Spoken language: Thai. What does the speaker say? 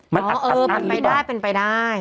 มันอัดอัดนั้นหรือเปล่า